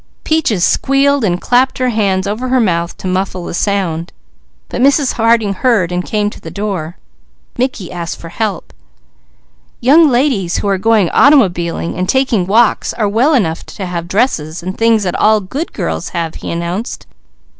Peaches squealed and clapped her hand over her mouth to muffle the sound; but Mrs. Harding heard and came to the door. Mickey asked for help. "Young ladies who are going automobiling and taking walks are well enough to have dresses, and things that all good girls have," he announced.